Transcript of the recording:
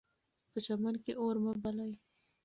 په چمن کې اور مه بلئ.